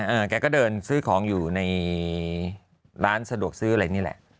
แกก็เดินซื้อของอยู่ในร้านสะดวกซื้ออะไรนี่แหละ